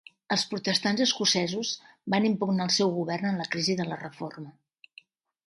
Els protestants escocesos van impugnar el seu govern en la crisi de la reforma.